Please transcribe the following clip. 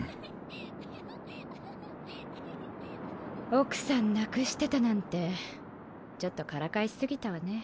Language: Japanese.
奥さん亡くしてたなんてちょっとからかい過ぎたわね。